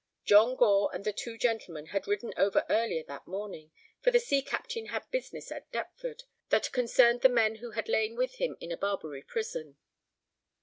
John Gore and the two gentlemen had ridden over earlier that morning, for the sea captain had business at Deptford that concerned the men who had lain with him in a Barbary prison.